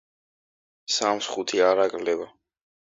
სამს ხუთი არ აკლდება.